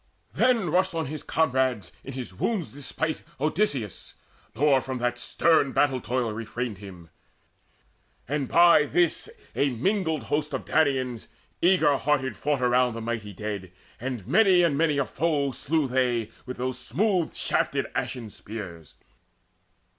Then Rushed on his comrades, in his wound's despite, Odysseus, nor from that stern battle toil Refrained him. And by this a mingled host Of Danaans eager hearted fought around The mighty dead, and many and many a foe Slew they with those smooth shafted ashen spears.